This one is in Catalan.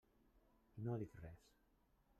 No dic res.